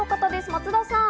松田さん。